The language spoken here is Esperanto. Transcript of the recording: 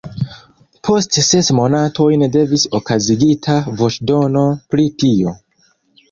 Post ses monatojn devis okazigita voĉdono pri tio.